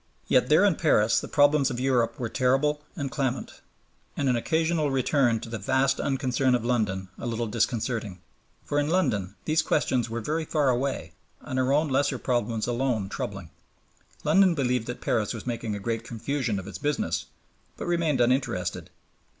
Yet there in Paris the problems of Europe were terrible and clamant, and an occasional return to the vast unconcern of London a little disconcerting. For in London these questions were very far away, and our own lesser problems alone troubling. London believed that Paris was making a great confusion of its business, but remained uninterested.